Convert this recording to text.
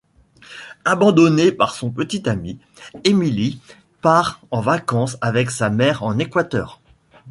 Abandonnée par son petit ami, Emily part en vacances avec sa mère en Équateur.